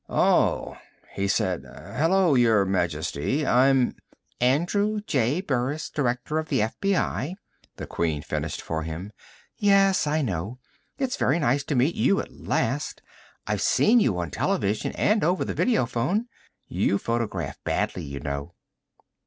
"Oh," he said. "Hello, Your Majesty. I'm " "Andrew J. Burris, Director of the FBI," the Queen finished for him. "Yes, I know. It's very nice to meet you at last. I've seen you on television, and over the video phone. You photograph badly, you know."